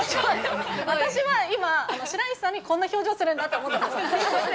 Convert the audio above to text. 私は今、白石さんにこんな表情するんだって思ったんですよ。